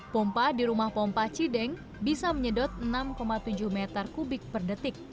pompa di rumah pompa cideng bisa menyedot enam tujuh meter kubik per detik